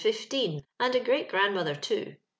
fifteen, and a grcat grandmotber, too.